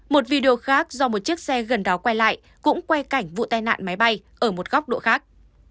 một video khác do một chiếc xe gần đó quay lại cũng quay cảnh vụ tai nạn máy bay ở một góc độ khác